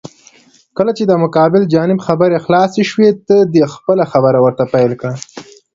کله چې د مقابل جانب خبرې خلاسې شوې، ته دې خپله خبره ورته پېل کړه.